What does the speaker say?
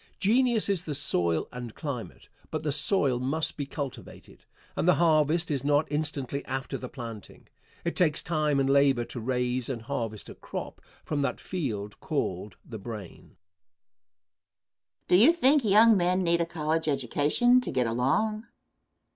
Genius is the soil and climate, but the soil must be cultivated, and the harvest is not instantly after the planting. It takes time and labor to raise and harvest a crop from that field called the brain. Question. Do you think young men need a college education to get along?